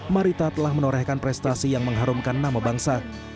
marita telah menorehkan prestasi yang mengharumkan nama bangsa